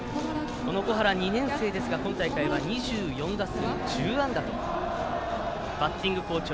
この小原、２年生ですが今大会は、２４打数１０安打とバッティング好調。